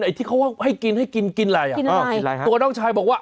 ไอ้ที่เขาว่าให้กินให้กินอะไรตัวน้องชายบอกว่า